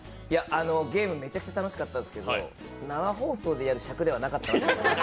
ゲームめちゃくちゃ楽しかったですけれども、生放送でやる尺ではなかったな。